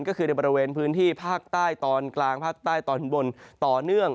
ก็คือในบริเวณพื้นที่ภาคใต้ตอนกลางภาคใต้ตอนบนต่อเนื่อง